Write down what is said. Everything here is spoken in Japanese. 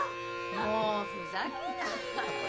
もうふざけないでよ。